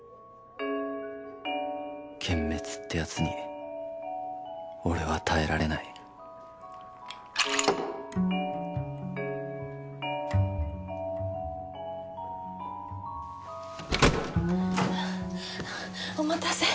幻滅ってやつに俺は耐えられないハァハァお待たせ。